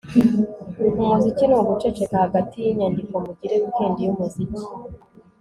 umuziki ni uguceceka hagati y'inyandiko mugire weekend yumuziki